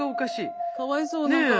かわいそう何か。ね。